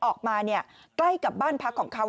ออกมาใกล้กับบ้านพักของเขา